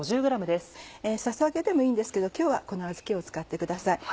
ささげでもいいんですけど今日はこのあずきを使ってください。